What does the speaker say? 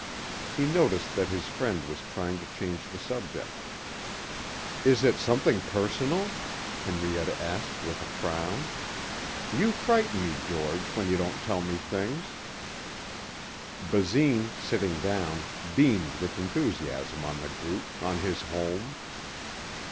He noticed that his friend was trying to change the subject. "Is it something personal?" Henrietta asked with a frown. "You frighten me, George, when you don't tell me things." Basine, sitting down, beamed with enthusiasm on the group, on his home.